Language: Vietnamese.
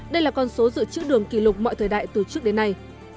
đây là con số dự trữ đường kỷ lục mọi thời đại từ trước đến nay